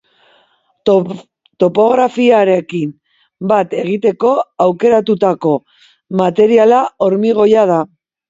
Topografiarekin bat egiteko aukeratutako materiala hormigoia da.